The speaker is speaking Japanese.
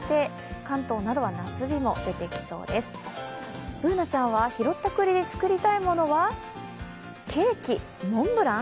Ｂｏｏｎａちゃんは拾ったくりで作りたいものはケーキ、モンブラン？